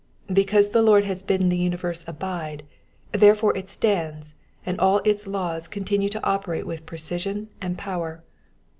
'*^ Because the Lord has bid the universe abide, therefore it stands, and all its laws con tinue to operate with precision and power.